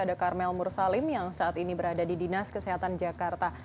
ada karmel mursalim yang saat ini berada di dinas kesehatan jakarta